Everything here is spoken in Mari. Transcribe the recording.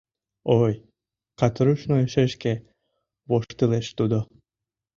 — Ой, катурушной, шешке, — воштылеш тудо.